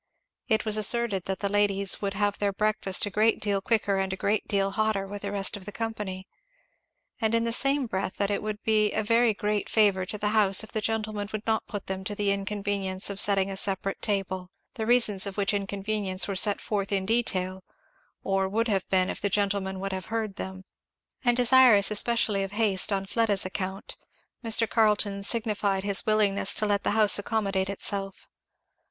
It was asserted that the ladies would have their breakfast a great deal quicker and a great deal hotter with the rest of the company; and in the same breath that it would be a very great favour to the house if the gentleman would not put them to the inconvenience of setting a separate table; the reasons of which inconvenience were set forth in detail, or would have been if the gentleman would have heard them; and desirous especially of haste, on Fleda's account, Mr. Carleton signified his willingness to let the house accommodate itself.